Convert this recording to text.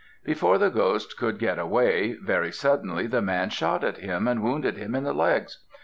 Before the ghost could get away, very suddenly the man shot at him and wounded him in the legs.